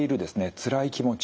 つらい気持ち